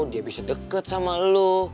dia bisa dekat sama lo